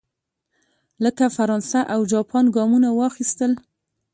لکه فرانسه او جاپان ګامونه واخیستل.